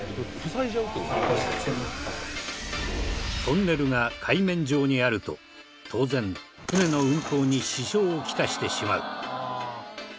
トンネルが海面上にあると当然船の運航に支障を来してしまう。